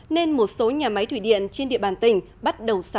nên một số nhà máy thủy điện trên địa bàn tỉnh bắt đầu sửa